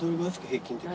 平均的には。